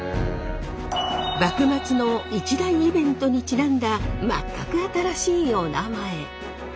幕末の一大イベントにちなんだ全く新しいおなまえ。